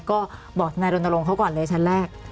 ก็บอกทนายรณรงค์เขาก่อนเลยชั้นแรก